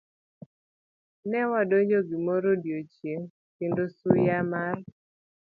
Ne wadonjo gimoro odiechieng' kendo suya mar